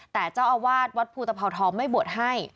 แต่เจ้าอาวาสวัดภูตภาวทองไม่บวชให้